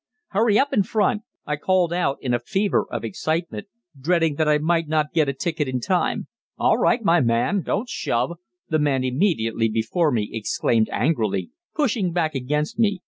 "Hurry up in front!" I called out in a fever of excitement, dreading that I might not get a ticket in time. "All right, my man don't shove!" the man immediately before me exclaimed angrily, pushing back against me.